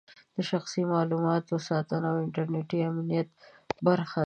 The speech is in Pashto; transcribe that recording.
د شخصي معلوماتو ساتنه د انټرنېټي امنیت برخه ده.